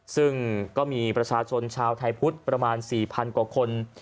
ซึ่งก็มีประชาชนชาวไทยพุทธประมาณ๔๐๐กว่าคน